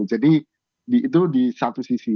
jadi itu di satu sisi